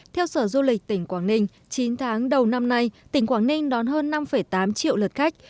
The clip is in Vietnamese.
theo sở du lịch tỉnh quảng ninh chín tháng đầu năm nay tỉnh quảng ninh đón hơn năm tám triệu lượt khách